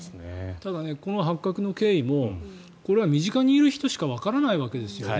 ただ、この発覚の経緯もこれは身近にいる人しかわからないわけですよね。